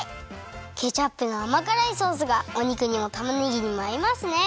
ケチャップのあまからいソースがお肉にもたまねぎにもあいますね！